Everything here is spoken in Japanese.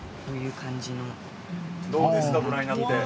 どうですか、ご覧になって。